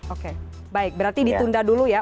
oke baik berarti ditunda dulu ya